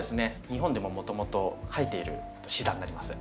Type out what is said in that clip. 日本でももともと生えているシダになります。